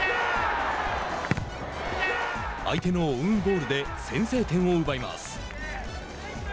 相手のオウンゴールで先制点を奪います。